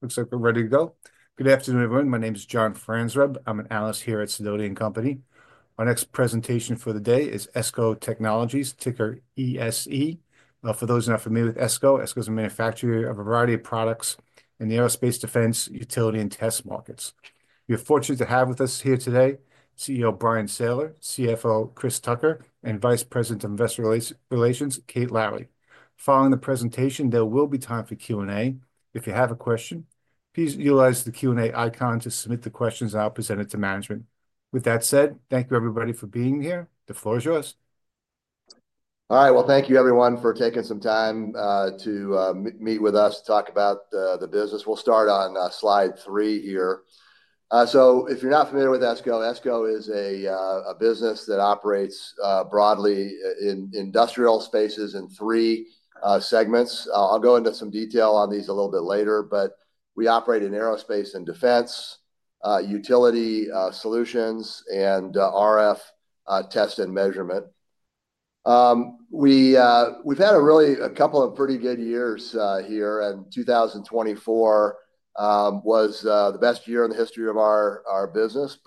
Looks like we're ready to go. Good afternoon, everyone. My name is John Franzreb. I'm an analyst here at Sidoti & Company. Our next presentation for the day is ESCO Technologies, ticker ESE. For those who are not familiar with ESCO, ESCO is a manufacturer of a variety of products in the aerospace, defense, utility, and test markets. We are fortunate to have with us here today CEO Bryan Sayler, CFO Chris Tucker, and Vice President of Investor Relations, Kate Lowrey. Following the presentation, there will be time for Q&A. If you have a question, please utilize the Q&A icon to submit the questions, and I'll present it to management. With that said, thank you, everybody, for being here. The floor is yours. All right. Thank you, everyone, for taking some time to meet with us to talk about the business. We'll start on slide three here. If you're not familiar with ESCO, ESCO is a business that operates broadly in industrial spaces in three segments. I'll go into some detail on these a little bit later. We operate in aerospace and defense, utility solutions, and RF test and measurement. We've had really a couple of pretty good years here, and 2024 was the best year in the history of our business.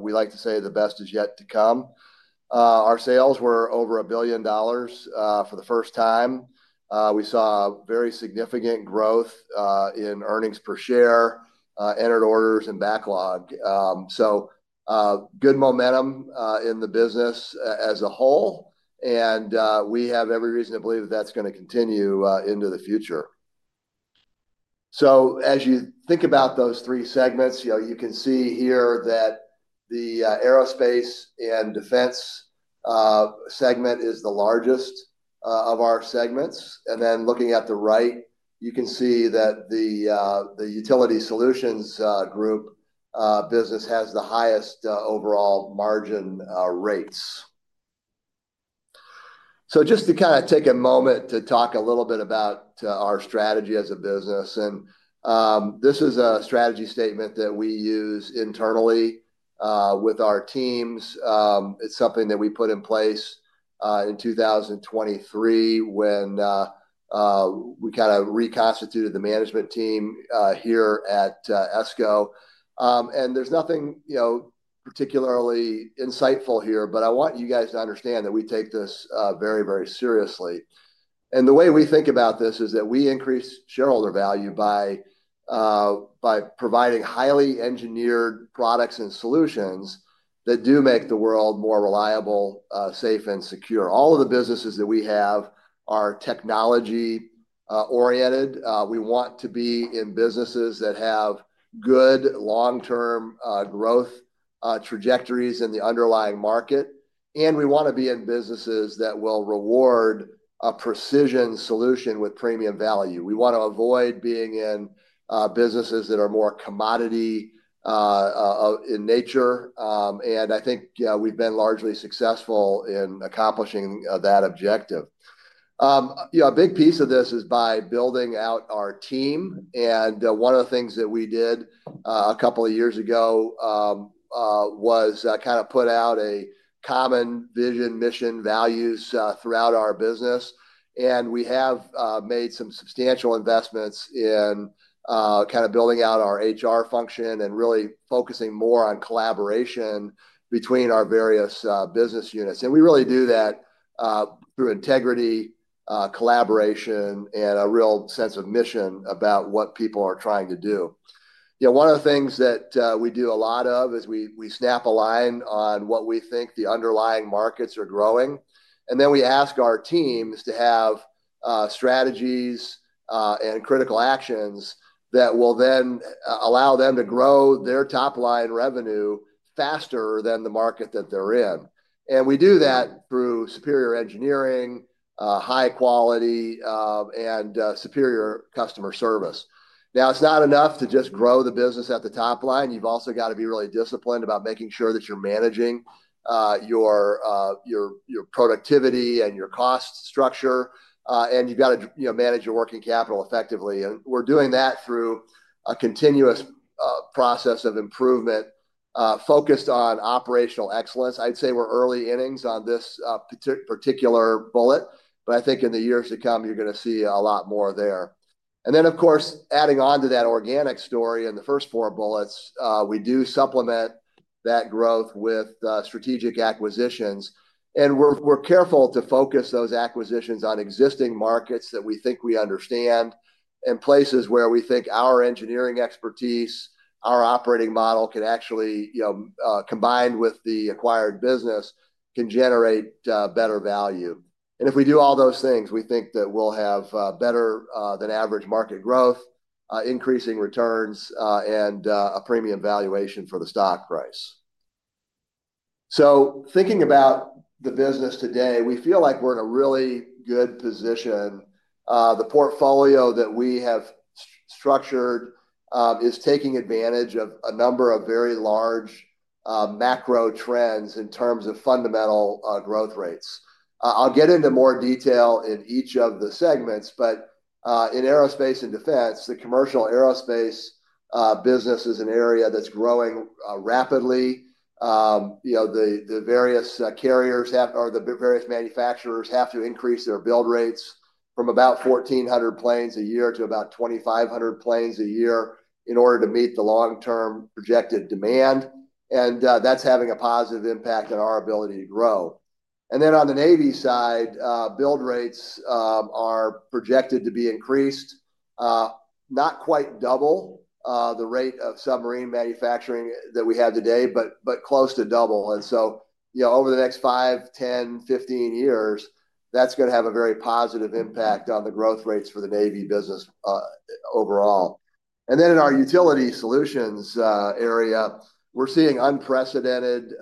We like to say the best is yet to come. Our sales were over $1 billion for the first time. We saw very significant growth in earnings per share, entered orders, and backlog. Good momentum in the business as a whole. We have every reason to believe that that's going to continue into the future. As you think about those three segments, you can see here that the aerospace and defense segment is the largest of our segments. Looking at the right, you can see that the utility solutions group business has the highest overall margin rates. Just to kind of take a moment to talk a little bit about our strategy as a business. This is a strategy statement that we use internally with our teams. It's something that we put in place in 2023 when we kind of reconstituted the management team here at ESCO. There's nothing particularly insightful here. I want you guys to understand that we take this very, very seriously. The way we think about this is that we increase shareholder value by providing highly engineered products and solutions that do make the world more reliable, safe, and secure. All of the businesses that we have are technology-oriented. We want to be in businesses that have good long-term growth trajectories in the underlying market. We want to be in businesses that will reward a precision solution with premium value. We want to avoid being in businesses that are more commodity in nature. I think we've been largely successful in accomplishing that objective. A big piece of this is by building out our team. One of the things that we did a couple of years ago was kind of put out a common vision, mission, values throughout our business. We have made some substantial investments in kind of building out our HR function and really focusing more on collaboration between our various business units. We really do that through integrity, collaboration, and a real sense of mission about what people are trying to do. One of the things that we do a lot of is we snap a line on what we think the underlying markets are growing. Then we ask our teams to have strategies and critical actions that will then allow them to grow their top-line revenue faster than the market that they're in. We do that through superior engineering, high quality, and superior customer service. Now, it's not enough to just grow the business at the top line. You've also got to be really disciplined about making sure that you're managing your productivity and your cost structure. You have got to manage your working capital effectively. We are doing that through a continuous process of improvement focused on operational excellence. I would say we are early innings on this particular bullet. I think in the years to come, you are going to see a lot more there. Of course, adding on to that organic story in the first four bullets, we do supplement that growth with strategic acquisitions. We are careful to focus those acquisitions on existing markets that we think we understand and places where we think our engineering expertise, our operating model can actually, combined with the acquired business, generate better value. If we do all those things, we think that we will have better than average market growth, increasing returns, and a premium valuation for the stock price. Thinking about the business today, we feel like we are in a really good position. The portfolio that we have structured is taking advantage of a number of very large macro trends in terms of fundamental growth rates. I'll get into more detail in each of the segments. In aerospace and defense, the commercial aerospace business is an area that's growing rapidly. The various carriers or the various manufacturers have to increase their build rates from about 1,400 planes a year to about 2,500 planes a year in order to meet the long-term projected demand. That's having a positive impact on our ability to grow. On the Navy side, build rates are projected to be increased, not quite double the rate of submarine manufacturing that we have today, but close to double. Over the next five, 10, 15 years, that's going to have a very positive impact on the growth rates for the Navy business overall. In our utility solutions area, we're seeing unprecedented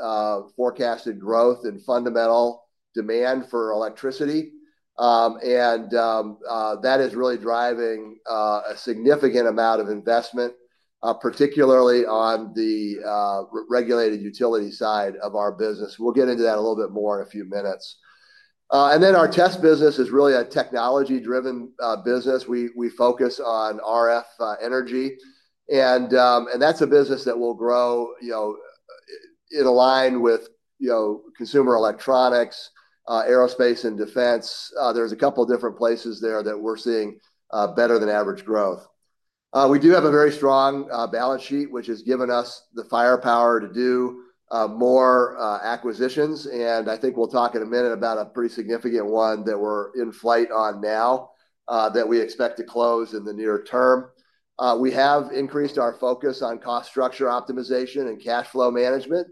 forecasted growth and fundamental demand for electricity. That is really driving a significant amount of investment, particularly on the regulated utility side of our business. We'll get into that a little bit more in a few minutes. Our test business is really a technology-driven business. We focus on RF energy. That's a business that will grow in align with consumer electronics, aerospace, and defense. There are a couple of different places there that we're seeing better than average growth. We do have a very strong balance sheet, which has given us the firepower to do more acquisitions. I think we'll talk in a minute about a pretty significant one that we're in flight on now that we expect to close in the near term. We have increased our focus on cost structure optimization and cash flow management.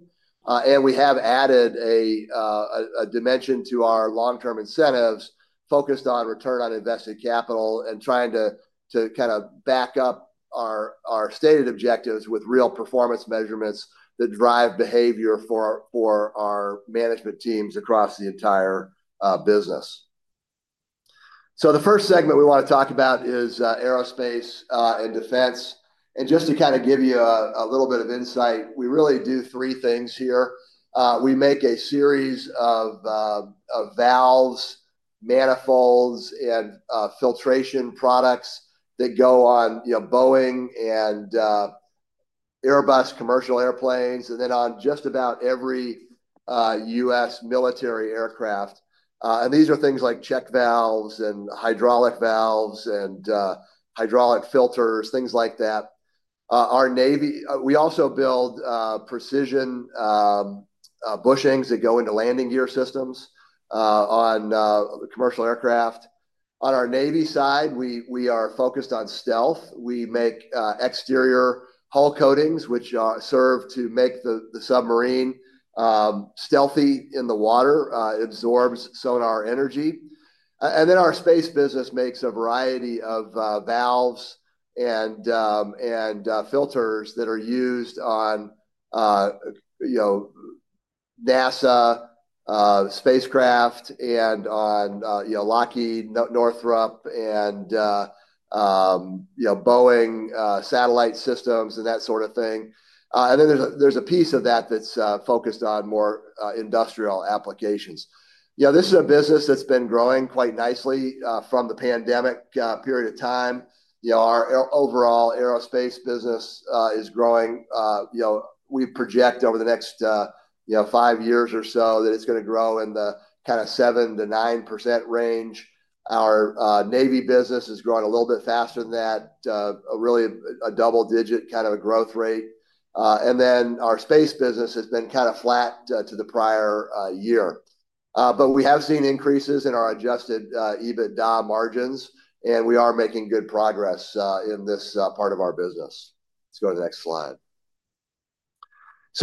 We have added a dimension to our long-term incentives focused on return on invested capital and trying to kind of back up our stated objectives with real performance measurements that drive behavior for our management teams across the entire business. The first segment we want to talk about is aerospace and defense. Just to kind of give you a little bit of insight, we really do three things here. We make a series of valves, manifolds, and filtration products that go on Boeing and Airbus commercial airplanes, and then on just about every U.S. military aircraft. These are things like check valves and hydraulic valves and hydraulic filters, things like that. We also build precision bushings that go into landing gear systems on commercial aircraft. On our Navy side, we are focused on stealth. We make exterior hull coatings, which serve to make the submarine stealthy in the water. It absorbs sonar energy. Our space business makes a variety of valves and filters that are used on NASA spacecraft and on Lockheed, Northrop, and Boeing satellite systems and that sort of thing. There is a piece of that that is focused on more industrial applications. This is a business that has been growing quite nicely from the pandemic period of time. Our overall aerospace business is growing. We project over the next five years or so that it is going to grow in the kind of 7%-9% range. Our Navy business is growing a little bit faster than that, really a double-digit kind of a growth rate. Our space business has been kind of flat to the prior year. We have seen increases in our adjusted EBITDA margins. We are making good progress in this part of our business. Let's go to the next slide.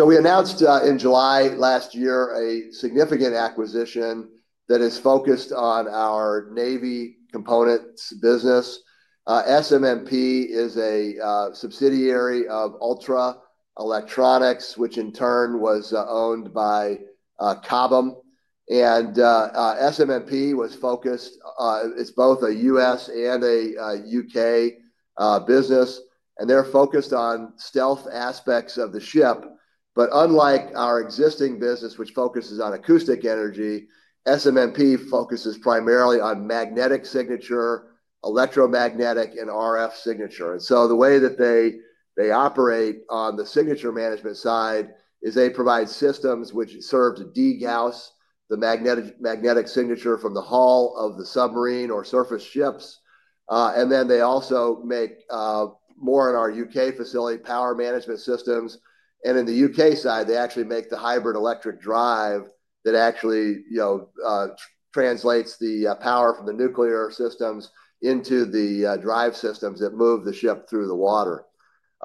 We announced in July last year a significant acquisition that is focused on our Navy components business. SM&P is a subsidiary of Ultra Electronics, which in turn was owned by Cobham. SM&P is both a U.S. and a U.K. business. They are focused on stealth aspects of the ship. Unlike our existing business, which focuses on acoustic energy, SM&P focuses primarily on magnetic signature, electromagnetic, and RF signature. The way that they operate on the signature management side is they provide systems which serve to degauss the magnetic signature from the hull of the submarine or surface ships. They also make more in our U.K. facility power management systems. In the U.K. Side, they actually make the hybrid electric drive that actually translates the power from the nuclear systems into the drive systems that move the ship through the water.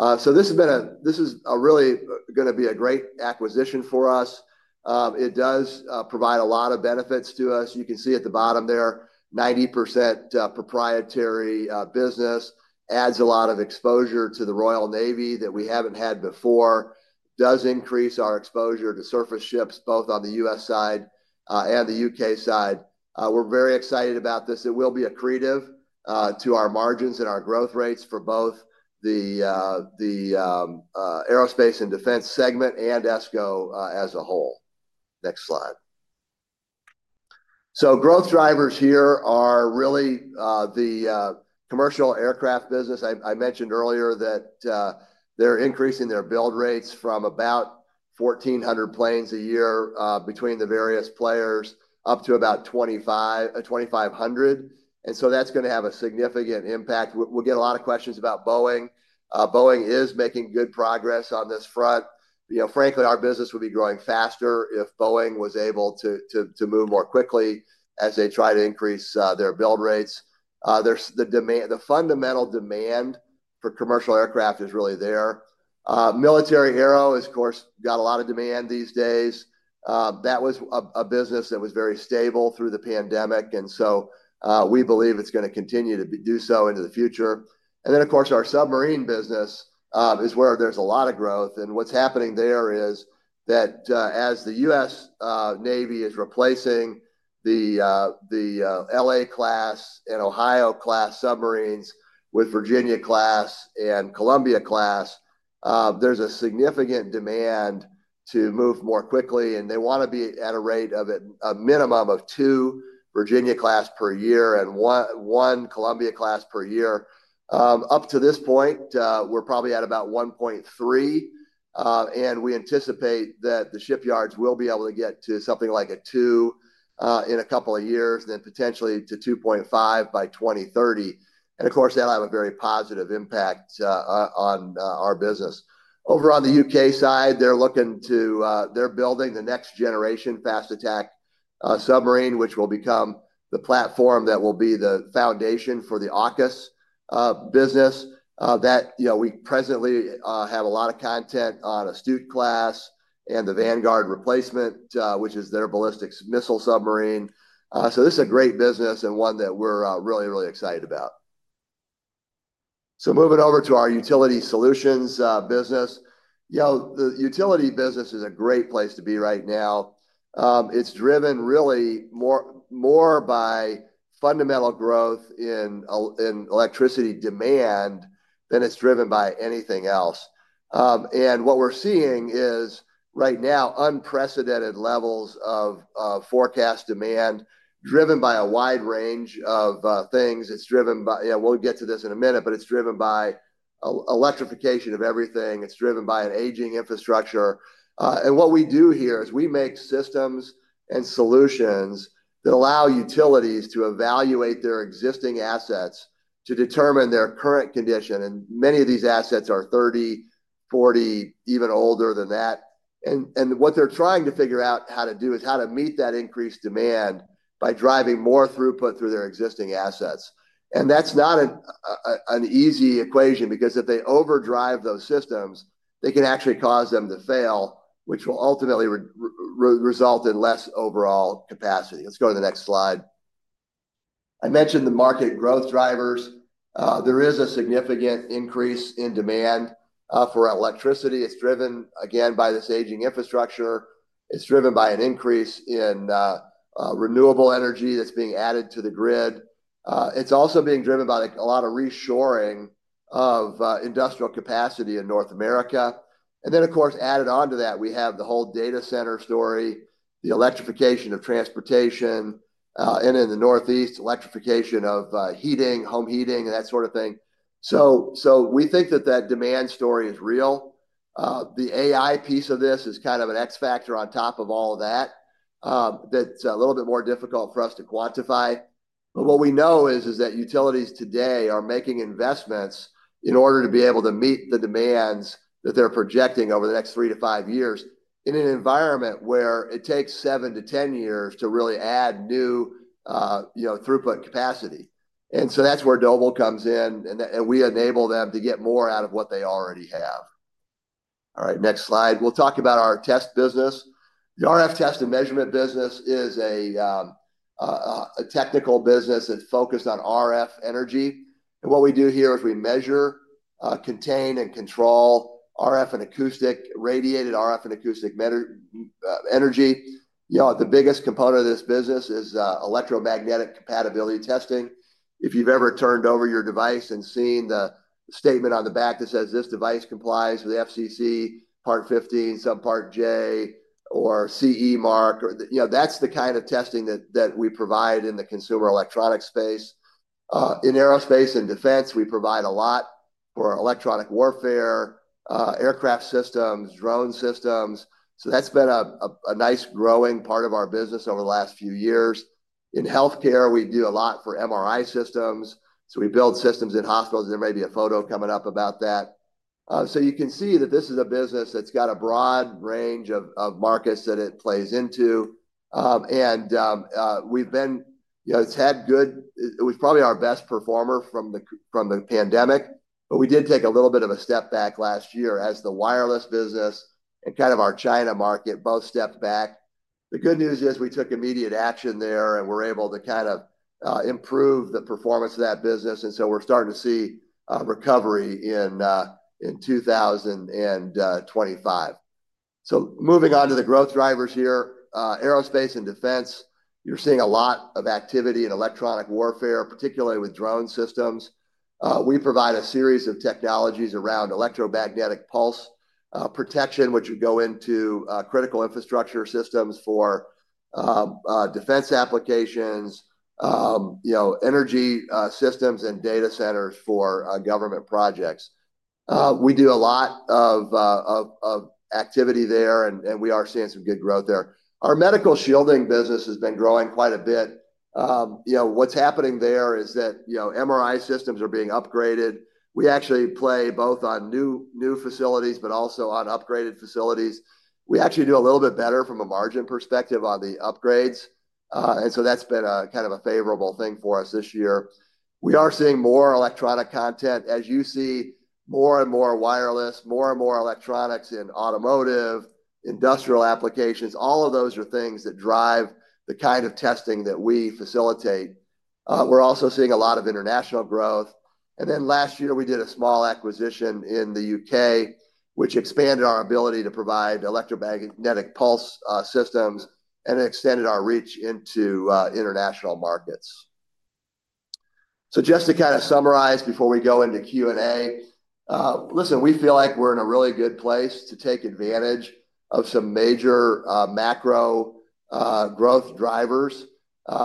This has been a—this is really going to be a great acquisition for us. It does provide a lot of benefits to us. You can see at the bottom there, 90% proprietary business adds a lot of exposure to the Royal Navy that we haven't had before, does increase our exposure to surface ships both on the U.S. side and the U.K. side. We're very excited about this. It will be accretive to our margins and our growth rates for both the aerospace and defense segment and ESCO as a whole. Next slide. Growth drivers here are really the commercial aircraft business. I mentioned earlier that they're increasing their build rates from about 1,400 planes a year between the various players up to about 2,500. That is going to have a significant impact. We get a lot of questions about Boeing. Boeing is making good progress on this front. Frankly, our business would be growing faster if Boeing was able to move more quickly as they try to increase their build rates. The fundamental demand for commercial aircraft is really there. Military Aero has, of course, got a lot of demand these days. That was a business that was very stable through the pandemic. We believe it's going to continue to do so into the future. Of course, our submarine business is where there's a lot of growth. What's happening there is that as the U.S. Navy is replacing the LA-class and Ohio-class submarines with Virginia-class and Columbia-class, there's a significant demand to move more quickly. They want to be at a rate of a minimum of two Virginia-class per year and one Columbia-class per year. Up to this point, we're probably at about 1.3%. We anticipate that the shipyards will be able to get to something like 2% in a couple of years and then potentially to 2.5% by 2030. Of course, that'll have a very positive impact on our business. Over on the U.K. side, they're building the next-generation fast-attack submarine, which will become the platform that will be the foundation for the AUKUS business. We presently have a lot of content on Astute-class and the Vanguard replacement, which is their ballistics missile submarine. This is a great business and one that we're really, really excited about. Moving over to our utility solutions business. The utility business is a great place to be right now. It's driven really more by fundamental growth in electricity demand than it's driven by anything else. What we're seeing is right now unprecedented levels of forecast demand driven by a wide range of things. We'll get to this in a minute, but it's driven by electrification of everything. It's driven by an aging infrastructure. What we do here is we make systems and solutions that allow utilities to evaluate their existing assets to determine their current condition. Many of these assets are 30, 40, even older than that. What they're trying to figure out how to do is how to meet that increased demand by driving more throughput through their existing assets. That's not an easy equation because if they overdrive those systems, they can actually cause them to fail, which will ultimately result in less overall capacity. Let's go to the next slide. I mentioned the market growth drivers. There is a significant increase in demand for electricity. It's driven, again, by this aging infrastructure. It's driven by an increase in renewable energy that's being added to the grid. It's also being driven by a lot of reshoring of industrial capacity in North America. Of course, added on to that, we have the whole data center story, the electrification of transportation, and in the Northeast, electrification of heating, home heating, and that sort of thing. We think that that demand story is real. The AI piece of this is kind of an X factor on top of all of that that's a little bit more difficult for us to quantify. What we know is that utilities today are making investments in order to be able to meet the demands that they're projecting over the next three to five years in an environment where it takes seven-10 years to really add new throughput capacity. That is where Doble comes in, and we enable them to get more out of what they already have. All right, next slide. We'll talk about our test business. The RF test and measurement business is a technical business that's focused on RF energy. What we do here is we measure, contain, and control RF and acoustic radiated RF and acoustic energy. The biggest component of this business is electromagnetic compatibility testing. If you've ever turned over your device and seen the statement on the back that says, "This device complies with FCC Part 15 Subpart J, or CE mark," that's the kind of testing that we provide in the consumer electronics space. In aerospace and defense, we provide a lot for electronic warfare, aircraft systems, drone systems. That's been a nice growing part of our business over the last few years. In healthcare, we do a lot for MRI systems. We build systems in hospitals. There may be a photo coming up about that. You can see that this is a business that's got a broad range of markets that it plays into. We've been—it's had good, it was probably our best performer from the pandemic. We did take a little bit of a step back last year as the wireless business and kind of our China market both stepped back. The good news is we took immediate action there and were able to kind of improve the performance of that business. We're starting to see recovery in 2025. Moving on to the growth drivers here, aerospace and defense, you're seeing a lot of activity in electronic warfare, particularly with drone systems. We provide a series of technologies around electromagnetic pulse protection, which would go into critical infrastructure systems for defense applications, energy systems, and data centers for government projects. We do a lot of activity there, and we are seeing some good growth there. Our medical shielding business has been growing quite a bit. What's happening there is that MRI systems are being upgraded. We actually play both on new facilities, but also on upgraded facilities. We actually do a little bit better from a margin perspective on the upgrades. That has been kind of a favorable thing for us this year. We are seeing more electronic content, as you see, more and more wireless, more and more electronics in automotive, industrial applications. All of those are things that drive the kind of testing that we facilitate. We are also seeing a lot of international growth. Last year, we did a small acquisition in the U.K., which expanded our ability to provide electromagnetic pulse systems and extended our reach into international markets. Just to kind of summarize before we go into Q&A, listen, we feel like we are in a really good place to take advantage of some major macro growth drivers.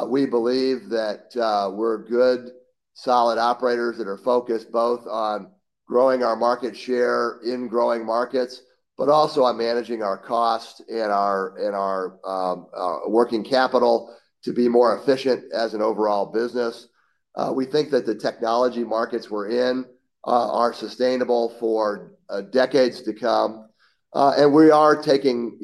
We believe that we're good, solid operators that are focused both on growing our market share in growing markets, but also on managing our costs and our working capital to be more efficient as an overall business. We think that the technology markets we're in are sustainable for decades to come. We are taking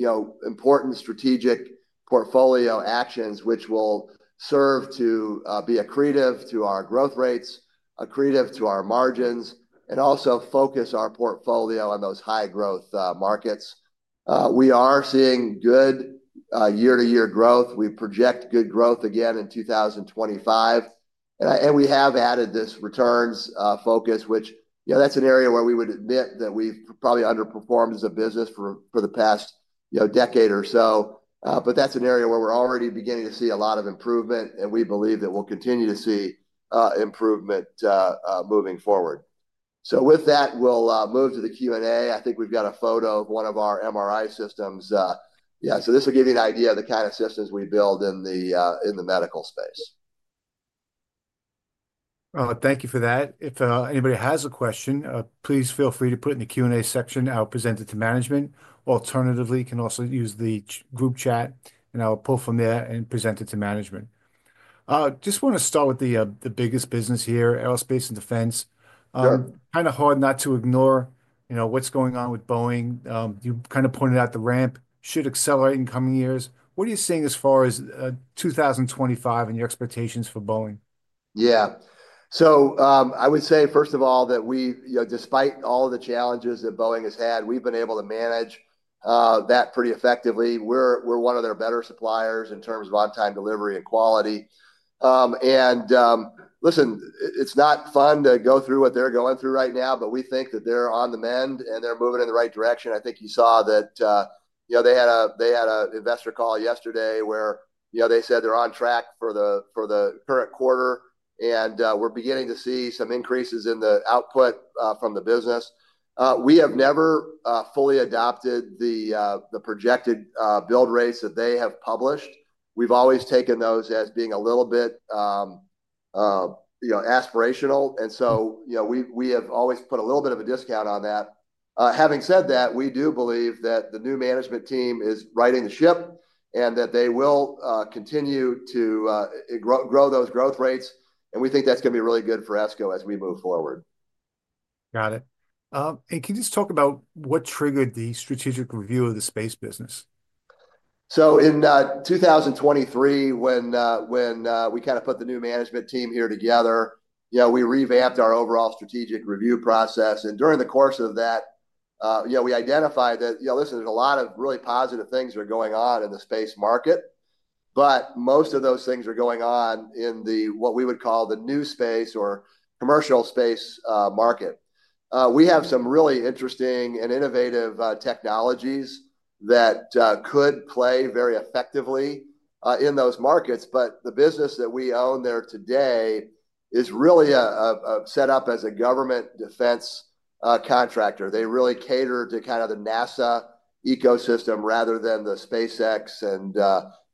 important strategic portfolio actions, which will serve to be accretive to our growth rates, accretive to our margins, and also focus our portfolio on those high-growth markets. We are seeing good year-to-year growth. We project good growth again in 2025. We have added this returns focus, which that's an area where we would admit that we've probably underperformed as a business for the past decade or so. That's an area where we're already beginning to see a lot of improvement, and we believe that we'll continue to see improvement moving forward. With that, we'll move to the Q&A. I think we've got a photo of one of our MRI systems. Yeah, this will give you an idea of the kind of systems we build in the medical space. Thank you for that. If anybody has a question, please feel free to put it in the Q&A section. I'll present it to management. Alternatively, you can also use the group chat, and I'll pull from there and present it to management. Just want to start with the biggest business here, aerospace and defense. Kind of hard not to ignore what's going on with Boeing. You kind of pointed out the ramp should accelerate in coming years. What are you seeing as far as 2025 and your expectations for Boeing? Yeah. I would say, first of all, that despite all of the challenges that Boeing has had, we've been able to manage that pretty effectively. We're one of their better suppliers in terms of on-time delivery and quality. Listen, it's not fun to go through what they're going through right now, but we think that they're on the mend and they're moving in the right direction. I think you saw that they had an investor call yesterday where they said they're on track for the current quarter, and we're beginning to see some increases in the output from the business. We have never fully adopted the projected build rates that they have published. We've always taken those as being a little bit aspirational. We have always put a little bit of a discount on that. Having said that, we do believe that the new management team is righting the ship and that they will continue to grow those growth rates. We think that's going to be really good for ESCO as we move forward. Got it. Can you just talk about what triggered the strategic review of the space business? In 2023, when we kind of put the new management team here together, we revamped our overall strategic review process. During the course of that, we identified that, listen, there's a lot of really positive things that are going on in the space market, but most of those things are going on in what we would call the new space or commercial space market. We have some really interesting and innovative technologies that could play very effectively in those markets. The business that we own there today is really set up as a government defense contractor. They really cater to kind of the NASA ecosystem rather than the SpaceX and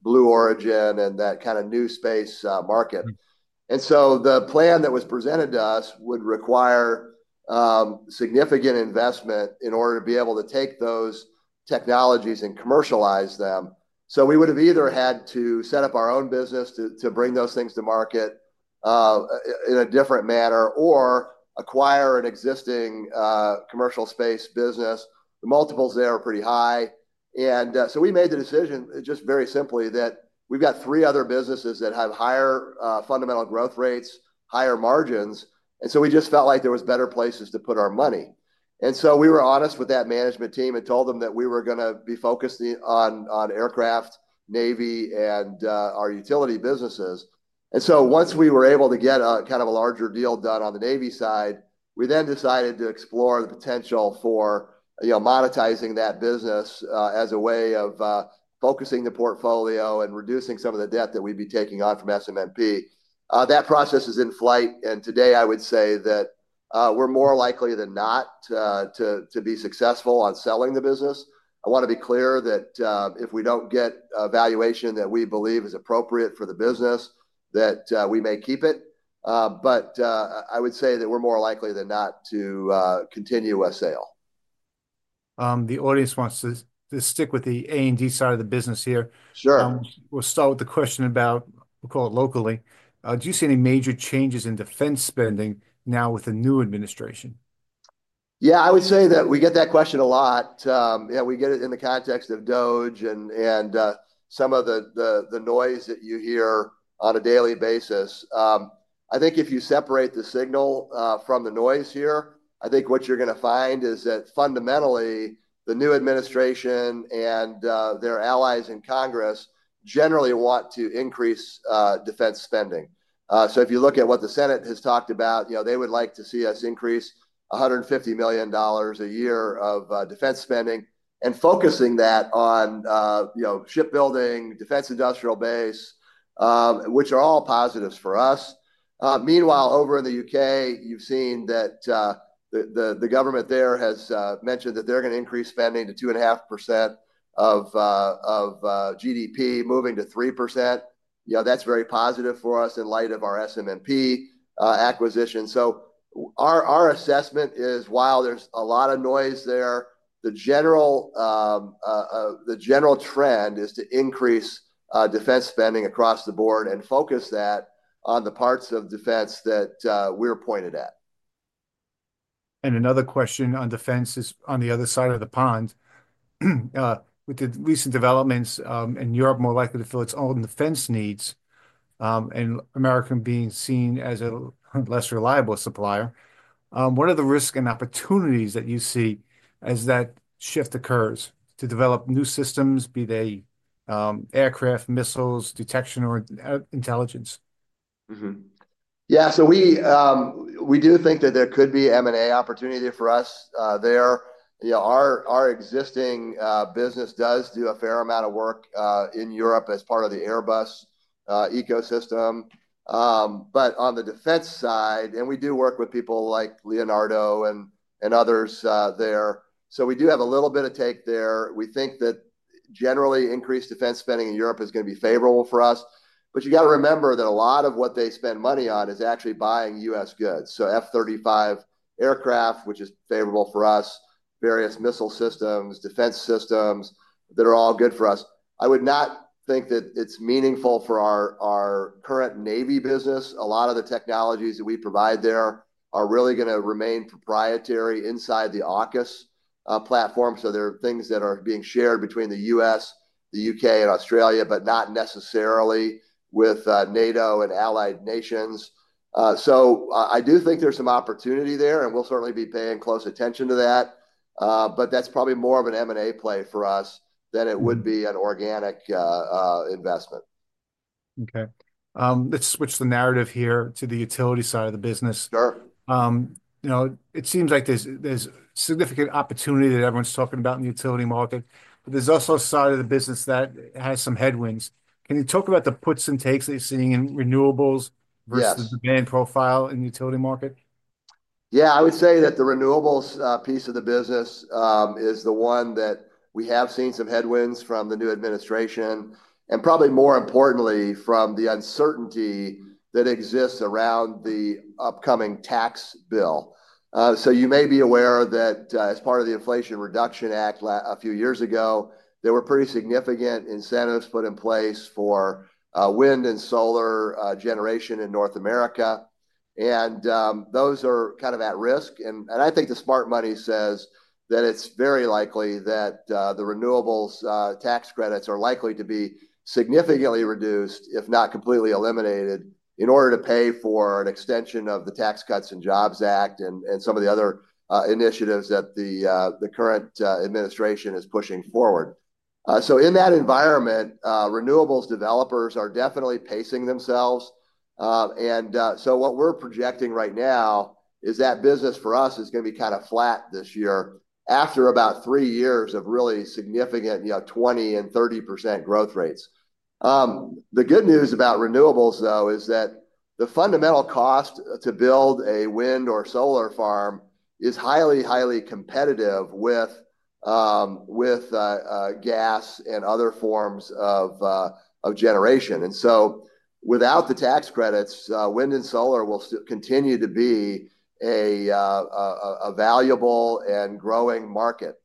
Blue Origin and that kind of new space market. The plan that was presented to us would require significant investment in order to be able to take those technologies and commercialize them. We would have either had to set up our own business to bring those things to market in a different manner or acquire an existing commercial space business. The multiples there are pretty high. We made the decision just very simply that we've got three other businesses that have higher fundamental growth rates, higher margins. We just felt like there were better places to put our money. We were honest with that management team and told them that we were going to be focused on aircraft, navy, and our utility businesses. Once we were able to get kind of a larger deal done on the navy side, we then decided to explore the potential for monetizing that business as a way of focusing the portfolio and reducing some of the debt that we'd be taking on from SMMP. That process is in flight. Today, I would say that we're more likely than not to be successful on selling the business. I want to be clear that if we don't get a valuation that we believe is appropriate for the business, we may keep it. I would say that we're more likely than not to continue a sale. The audience wants to stick with the A&D side of the business here. We'll start with the question about, we'll call it locally. Do you see any major changes in defense spending now with the new administration? Yeah, I would say that we get that question a lot. We get it in the context of Doble and some of the noise that you hear on a daily basis. I think if you separate the signal from the noise here, I think what you're going to find is that fundamentally, the new administration and their allies in Congress generally want to increase defense spending. If you look at what the Senate has talked about, they would like to see us increase $150 million a year of defense spending and focusing that on shipbuilding, defense industrial base, which are all positives for us. Meanwhile, over in the U.K., you've seen that the government there has mentioned that they're going to increase spending to 2.5% of GDP, moving to 3%. That's very positive for us in light of our SMMP acquisition. Our assessment is, while there's a lot of noise there, the general trend is to increase defense spending across the board and focus that on the parts of defense that we're pointed at. Another question on defense is on the other side of the pond. With the recent developments in Europe more likely to fill its own defense needs and America being seen as a less reliable supplier, what are the risk and opportunities that you see as that shift occurs to develop new systems, be they aircraft, missiles, detection, or intelligence? Yeah, we do think that there could be M&A opportunity for us there. Our existing business does do a fair amount of work in Europe as part of the Airbus ecosystem. On the defense side, we do work with people like Leonardo and others there. We do have a little bit of take there. We think that generally increased defense spending in Europe is going to be favorable for us. You got to remember that a lot of what they spend money on is actually buying U.S. goods. F-35 aircraft, which is favorable for us, various missile systems, defense systems that are all good for us. I would not think that it's meaningful for our current navy business. A lot of the technologies that we provide there are really going to remain proprietary inside the AUKUS platform. There are things that are being shared between the U.S., the U.K., and Australia, but not necessarily with NATO and allied nations. I do think there's some opportunity there, and we'll certainly be paying close attention to that. That's probably more of an M&A play for us than it would be an organic investment. Okay. Let's switch the narrative here to the utility side of the business. It seems like there's significant opportunity that everyone's talking about in the utility market. There's also a side of the business that has some headwinds. Can you talk about the puts and takes that you're seeing in renewables versus the demand profile in the utility market? Yeah, I would say that the renewables piece of the business is the one that we have seen some headwinds from the new administration and probably more importantly from the uncertainty that exists around the upcoming tax bill. You may be aware that as part of the Inflation Reduction Act a few years ago, there were pretty significant incentives put in place for wind and solar generation in North America. Those are kind of at risk. I think the smart money says that it's very likely that the renewables tax credits are likely to be significantly reduced, if not completely eliminated, in order to pay for an extension of the Tax Cuts and Jobs Act and some of the other initiatives that the current administration is pushing forward. In that environment, renewables developers are definitely pacing themselves. What we're projecting right now is that business for us is going to be kind of flat this year after about three years of really significant 20% and 30% growth rates. The good news about renewables, though, is that the fundamental cost to build a wind or solar farm is highly, highly competitive with gas and other forms of generation. Without the tax credits, wind and solar will continue to be a valuable and growing market.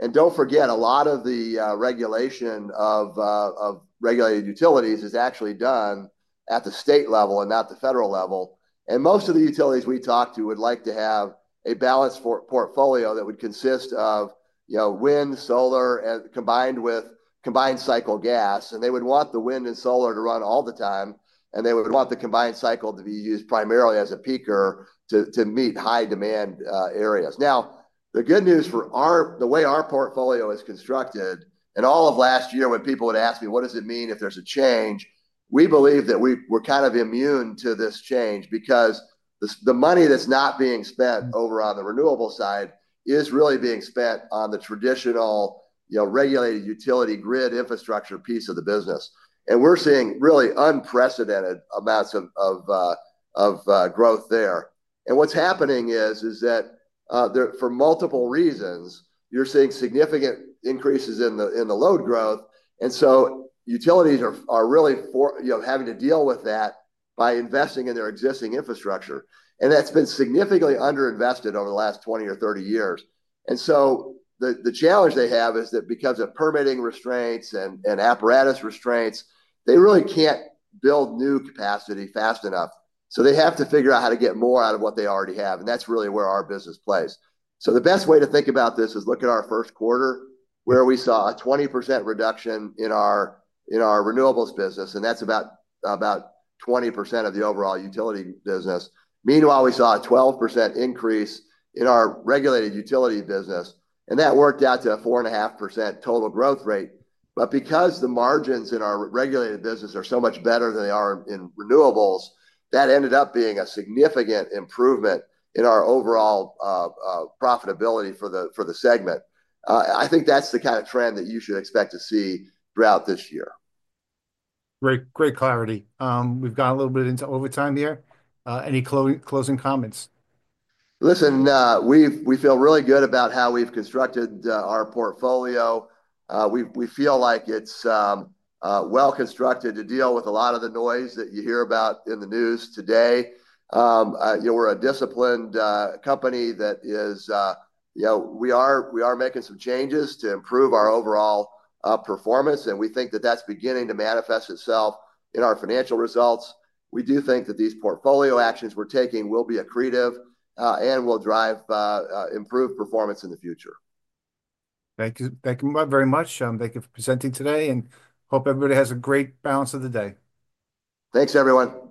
Do not forget, a lot of the regulation of regulated utilities is actually done at the state level and not the federal level. Most of the utilities we talk to would like to have a balanced portfolio that would consist of wind, solar, and combined cycle gas. They would want the wind and solar to run all the time, and they would want the combined cycle to be used primarily as a peaker to meet high-demand areas. The good news for the way our portfolio is constructed and all of last year when people would ask me, "What does it mean if there's a change?" We believe that we're kind of immune to this change because the money that's not being spent over on the renewable side is really being spent on the traditional regulated utility grid infrastructure piece of the business. We're seeing really unprecedented amounts of growth there. What's happening is that for multiple reasons, you're seeing significant increases in the load growth. Utilities are really having to deal with that by investing in their existing infrastructure. That's been significantly underinvested over the last 20 or 30 years. The challenge they have is that because of permitting restraints and apparatus restraints, they really cannot build new capacity fast enough. They have to figure out how to get more out of what they already have. That is really where our business plays. The best way to think about this is look at our first quarter, where we saw a 20% reduction in our renewables business, and that is about 20% of the overall utility business. Meanwhile, we saw a 12% increase in our regulated utility business, and that worked out to a 4.5% total growth rate. Because the margins in our regulated business are so much better than they are in renewables, that ended up being a significant improvement in our overall profitability for the segment. I think that is the kind of trend that you should expect to see throughout this year. Great clarity. We've got a little bit into overtime here. Any closing comments? Listen, we feel really good about how we've constructed our portfolio. We feel like it's well constructed to deal with a lot of the noise that you hear about in the news today. We're a disciplined company that is we are making some changes to improve our overall performance, and we think that that's beginning to manifest itself in our financial results. We do think that these portfolio actions we're taking will be accretive and will drive improved performance in the future. Thank you very much. Thank you for presenting today, and hope everybody has a great balance of the day. Thanks, everyone.